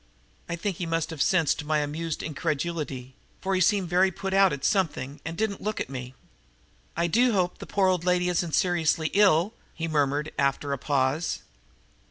I think he must have sensed my amused incredulity, for he seemed very put out at something and didn't look at me. "I do hope the poor old lady isn't seriously ill," he murmured after a pause.